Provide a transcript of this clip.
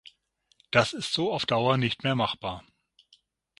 Das ist so auf Dauer nicht mehr machbar.